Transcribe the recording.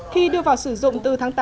khi đưa vào sử dụng từ tháng tám